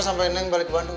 sampai neng balik bandung